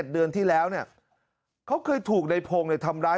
๖๗เดือนที่แล้วเค้าเคยถูกในพงศ์เลยทำร้าย